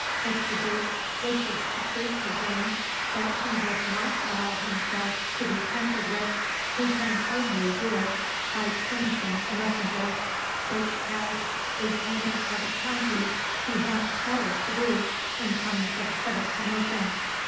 If the Duke wishes to prove to James that he would not allow himself to be tampered with, he can only do it by punishing the messenger, which as lieutenant of a county he hath power to do in times of civil commotion.